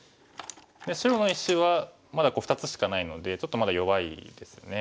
白の石はまだ２つしかないのでちょっとまだ弱いですよね。